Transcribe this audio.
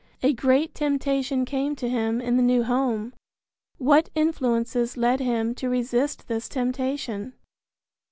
A great temptation came to him in the new home. What influences led him to resist this temptation?